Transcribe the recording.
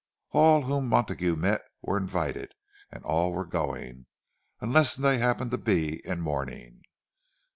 All whom Montague met were invited and all were going unless they happened to be in mourning.